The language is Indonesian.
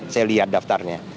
saya lihat daftarnya